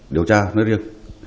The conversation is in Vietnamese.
điều tra nói riêng